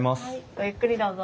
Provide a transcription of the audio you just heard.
ごゆっくりどうぞ。